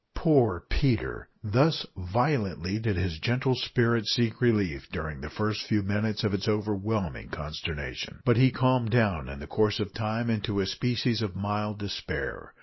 Poor Peter! Thus violently did his gentle spirit seek relief during the first few minutes of its overwhelming consternation. But he calmed down in the course of time into a species of mild despair.